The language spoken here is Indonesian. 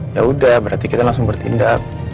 yaudah berarti kita langsung bertindak